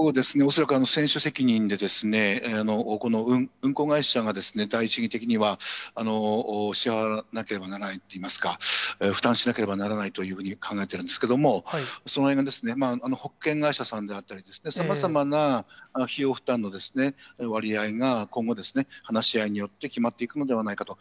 恐らく船主責任で、この運航会社がですね、第一義的には支払わなければならないといいますか、負担しなければならないというふうに考えているんですけれども、そのへんが保険会社さんであったりですとか、さまざまな費用負担の割合が、今後、話し合いによって決まっていくのではないかと。